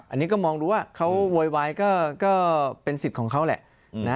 อันนี้ก็มองดูว่าเขาโวยวายก็เป็นสิทธิ์ของเขาแหละ